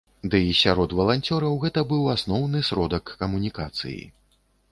Дый сярод валанцёраў гэта быў асноўны сродак камунікацыі.